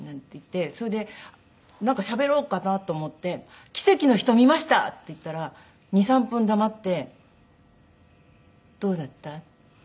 それでなんかしゃべろうかなと思って「『奇跡の人』見ました」って言ったら２３分黙って「どうだった？」って言って。